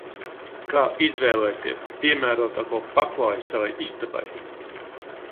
Kā izvēlēties piemērotāko paklāju savai istabai?